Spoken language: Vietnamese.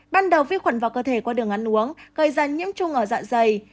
ban đầu vi khuẩn vào cơ thể qua đường ăn uống gây ra nhiễm trùng ở dạ dày